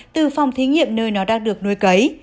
từ phòng thí nghiệm nơi nó đang được nuôi cấy